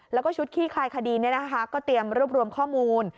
แล้วก็ชุดขี้คลายคดีเนี่ยนะคะก็เตรียมรูปรวมข้อมูล